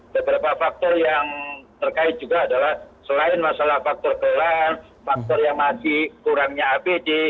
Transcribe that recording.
beberapa faktor yang terkait juga adalah selain masalah faktor gelar faktor yang masih kurangnya apd